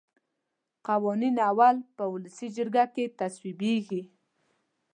قوانین اول په ولسي جرګه کې تصویبیږي.